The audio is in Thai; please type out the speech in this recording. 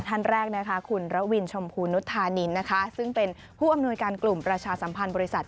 ท่านแรกนะคะคุณระวินชมพูนุธานินนะคะซึ่งเป็นผู้อำนวยการกลุ่มประชาสัมพันธ์บริษัท